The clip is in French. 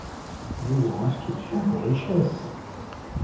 Mieux vaut instruction que richesse.